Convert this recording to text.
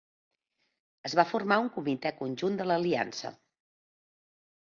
Es va formar un comitè conjunt de l'aliança.